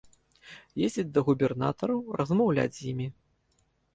Ездзіць да губернатараў, размаўляць з імі.